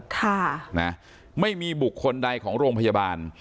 ค่ะนะไม่มีบุคคลใดของโรงพยาบาล